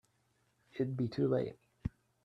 It'd be too late.